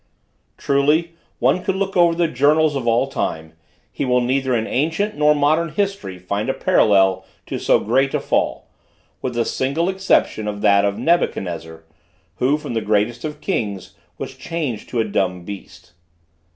Truly! should one look over the journals of all times, he will neither in ancient nor modern history find a parallel to so great a fall; with the single exception of that of Nebuchadnezzar, who from the greatest of kings was changed to a dumb beast.